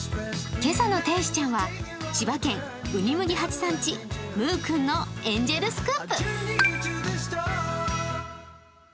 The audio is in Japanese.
今朝の天使ちゃんは千葉県、うにむぎはちさん家のむーくんのエンジェルスクープ。